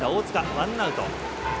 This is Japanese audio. ワンアウト。